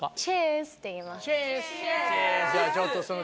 じゃあちょっとその。